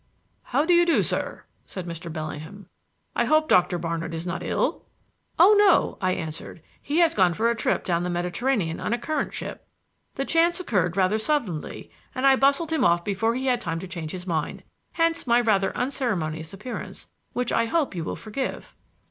"How do you do, sir?" said Mr. Bellingham. "I hope Doctor Barnard is not ill." "Oh, no," I answered; "he has gone for a trip down the Mediterranean on a currant ship. The chance occurred rather suddenly, and I bustled him off before he had time to change his mind. Hence my rather unceremonious appearance, which I hope you will forgive."